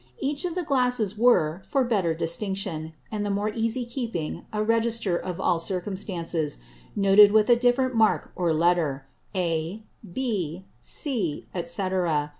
Each of the Glasses were, for better distinction, and the more easie keeping a Register of all Circumstances, noted with a different Mark or Letter, A, B, C, _&c.